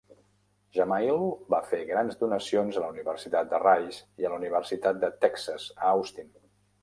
Jamail va fer grans donacions a la Universitat de Rice i a la Universitat de Texas a Austin.